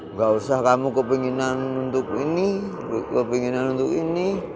nggak usah kamu kepengenan untuk ini kepengenan untuk ini